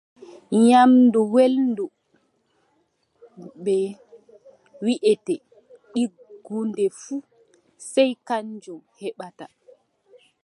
Nyaamdu welndu bee beʼitte ɗigguɗe fuu, sey kanjum heɓata.